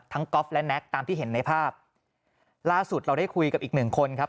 ก๊อฟและแก๊กตามที่เห็นในภาพล่าสุดเราได้คุยกับอีกหนึ่งคนครับ